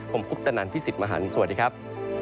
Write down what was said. ผมคุปตนันพี่สิทธิ์มหันฯสวัสดีครับ